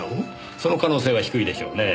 その可能性は低いでしょうねぇ。